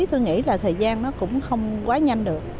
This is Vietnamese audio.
tôi nghĩ là thời gian nó cũng không quá nhanh được